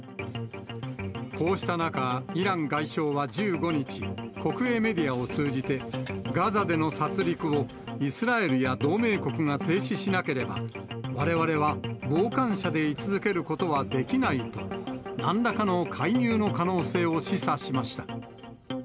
こうした中、イラン外相は１５日、国営メディアを通じて、ガザでの殺りくをイスラエルや同盟国が停止しなければ、われわれは傍観者で居続けることはできないと、なんらかの介入の可能性を示唆しました。